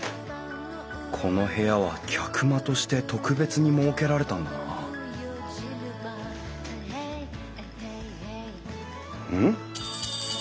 この部屋は客間として特別に設けられたんだなうん？